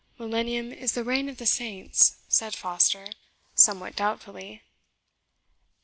"Millennium is the reign of the Saints," said Foster, somewhat doubtfully.